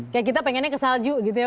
kayak kita pengennya ke salju gitu ya